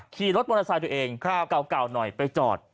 ขี่รถมอเตอร์ไซค์ตัวเองเก่าหน่อยไปจอด